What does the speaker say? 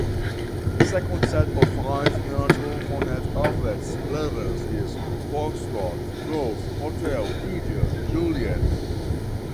Second set of five Nato phonetic alphabet letters is Foxtrot, Golf, Hotel, India, Juliett.